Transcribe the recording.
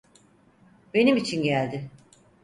Benim için geldi.